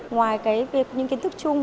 ngoài cái việc những kiến thức chung